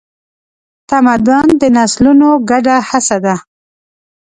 تمدن د نسلونو ګډه هڅه ده.